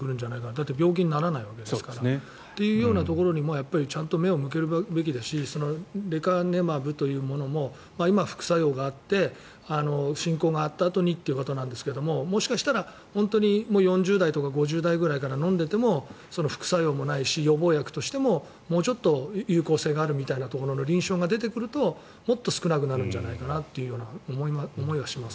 だって病気にならないわけですからというようなところにちゃんと目を向けるべきですしレカネマブというものも今、副作用があって進行があったあとにということなんですがもしかしたら本当に４０代とか５０代くらいから飲んでいても副作用もないし予防薬としても、もうちょっと有効性があるところの臨床が出てくるともっと少なくなるんじゃないかという思いはします。